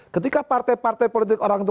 ketika partai partai politik orang itu